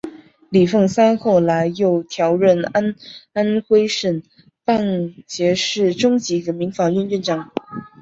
李奉三后来又调任安徽省蚌埠市中级人民法院院长。